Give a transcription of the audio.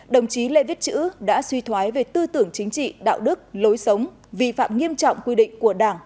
đồng chí lê viết chữ đã suy thoái về tư tưởng chính trị đạo đức lối sống vi phạm nghiêm trọng quy định của đảng